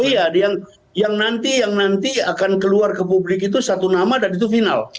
oh iya yang nanti akan keluar ke publik itu satu nama dan itu final